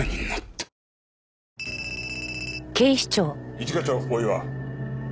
一課長大岩。